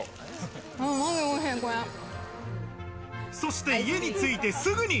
そして、家に着いてすぐに。